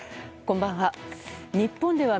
こんばんは。